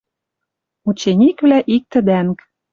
Учениквлӓ иктӹ дӓнг